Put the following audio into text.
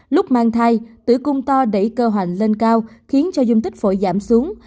lúc mang thai tử cung to đẩy cơ hoành lên cao khiến cho dung tích phổi giảm xuống